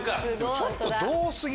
ちょっと。